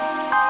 pernah gak pak